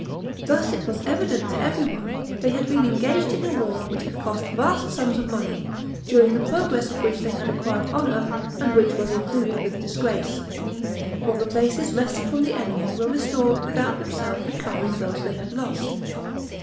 Thus it was evident to everyone, they had been engaged in a war which had cost vast sums of money, during the progress of which they had acquired honor, and which was concluded with disgrace; for the places wrested from the enemy were restored without themselves recovering those they had lost.